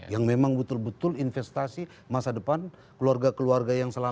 yang memang betul betul investasi masa depan keluarga keluarga yang selamat